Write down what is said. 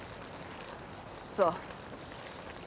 そう。